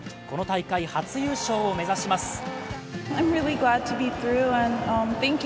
この大会初優勝を目指します。